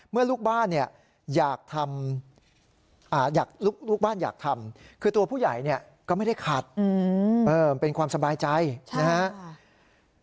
เมื่อลูกบ้านอยากทำคือตัวผู้ใหญ่ก็ไม่ได้ขัดเป็นความสบายใจนะครับ